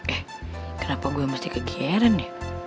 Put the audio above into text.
eh kenapa gue masih kegieren ya